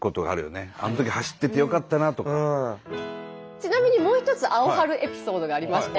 ちなみにもう一つアオハルエピソードがありまして。